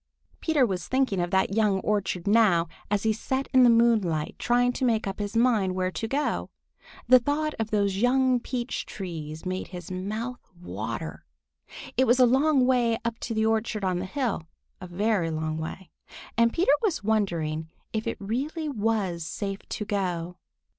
Peter was thinking of that young orchard now, as he sat in the moonlight trying to make up his mind where to go. The thought of those young peach trees made his mouth water. It was a long way up to the orchard on the hill, a very long way, and Peter was wondering if it really was safe to go.